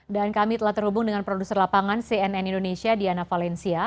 dan kami telah terhubung dengan produser lapangan cnn indonesia diana valencia